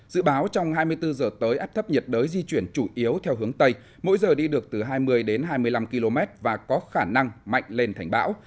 dự báo trong hai mươi bốn giờ tới áp thấp nhiệt đới di chuyển chủ yếu theo hướng tây mỗi giờ đi được từ hai mươi đến hai mươi năm km và có khả năng mạnh lên thành bão